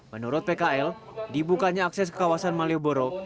menurut pkl dibukanya akses ke kawasan malioboro